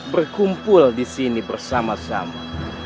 berkumpul di sini bersama sama